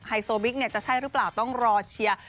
โซบิ๊กจะใช่หรือเปล่าต้องรอเชียร์